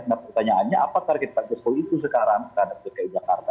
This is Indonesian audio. nah pertanyaannya apa target pak jokowi itu sekarang terhadap dki jakarta